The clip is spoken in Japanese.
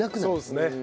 そうですね